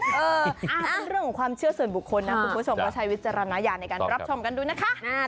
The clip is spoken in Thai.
เป็นเรื่องของความเชื่อส่วนบุคคลนะคุณผู้ชมก็ใช้วิจารณญาณในการรับชมกันดูนะคะ